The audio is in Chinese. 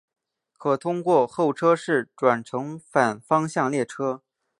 可通过候车室转乘反方向列车。